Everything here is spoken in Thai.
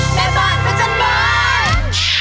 แม่บ้านเกิดเจอบ้าน